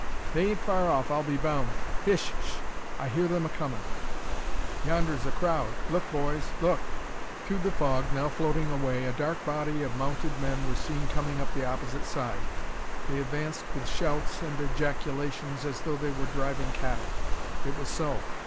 "They ain't far off, I'll be boun'. Hish sh! I hear them a comin'." "Yonder's a crowd! Look, boys! look!" Through the fog, now floating away, a dark body of mounted men were seen coming up the opposite side. They advanced with shouts and ejaculations, as though they were driving cattle. It was so.